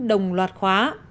đồng loạt khóa